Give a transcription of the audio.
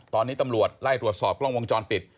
ตอนนี้ตำรวจไล่ตรวจสอบกล้องวงจรปิด